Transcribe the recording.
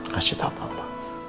kasih tau papa